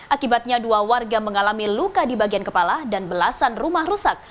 akibatnya dua warga mengalami luka di bagian kepala dan belasan rumah rusak